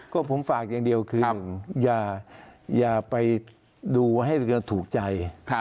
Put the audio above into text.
ก็ผมฝากอย่างเดียวคือ๑อย่าไปดูให้เรือถูกใจ